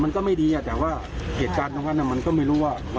เขาได้พูดแล้วเขาบอกว่านายอย่าทำนะ